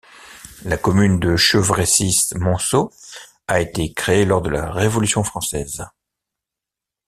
La commune de Chevresis-Monceau a été créée lors de la Révolution française.